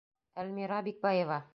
Әлмира БИКБАЕВА.